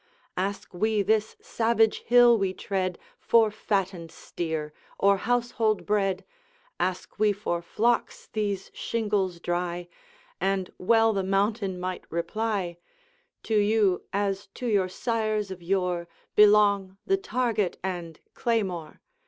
Ask we this savage hill we tread For fattened steer or household bread, Ask we for flocks these shingles dry, And well the mountain might reply, "To you, as to your sires of yore, Belong the target and claymore!